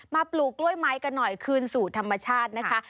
ปลูกกล้วยไม้กันหน่อยคืนสู่ธรรมชาตินะคะ